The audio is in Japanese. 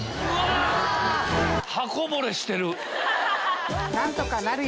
刃こぼれしてる！